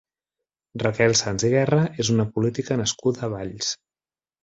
Raquel Sans i Guerra és una política nascuda a Valls.